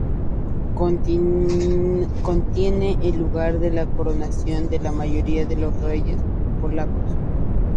Contiene el lugar de la coronación de la mayoría de los reyes polacos.